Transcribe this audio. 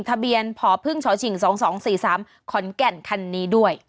ทะเบียนพพชฉิง๒๒๔๓ขอนแก่นคันนี้ด้วย